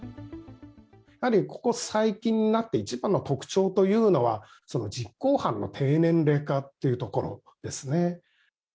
やはりここ最近になって、一番の特徴というのは、実行犯の低年齢化というところですね。